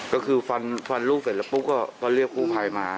ก็คือฟันลูกเสร็จแล้วปุ๊บก็เรียกกู้ภัยมา